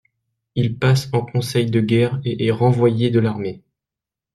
Il passe en Conseil de guerre et est renvoyé de l'armée.